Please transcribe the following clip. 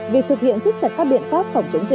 việc thực hiện xích chặt các biện pháp